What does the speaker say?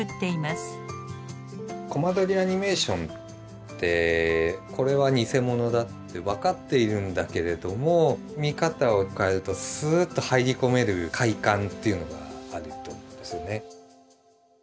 コマ撮りアニメーションってこれは偽物だって分かっているんだけれども見方を変えるとスーッと入り込める快感っていうのがあると思うんですよね。